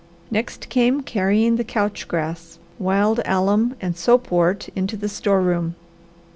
Next came carrying the couch grass, wild alum, and soapwort into the store room.